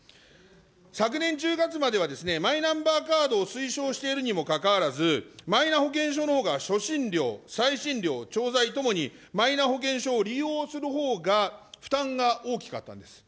昨年１０月までは、マイナンバーカードを推奨しているにもかかわらず、マイナ保険証のほうが初診料、再診料、調剤ともに、マイナ保険証を利用するほうが負担が大きかったんです。